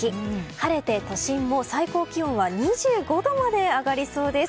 晴れて都心も最高気温は２５度まで上がりそうです。